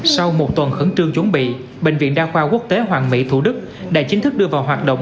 sau một tuần khẩn trương chuẩn bị bệnh viện đa khoa quốc tế hoàng mỹ thủ đức đã chính thức đưa vào hoạt động